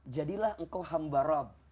jadilah engkau hamba rab